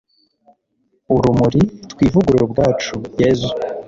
urumuri, twivugurure ubwacu, yezu